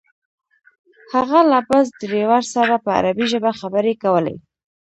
هغه له بس ډریور سره په عربي ژبه خبرې کولې.